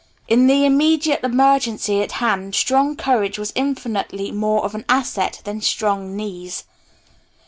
In the immediate emergency at hand strong courage was infinitely more of an asset than strong knees.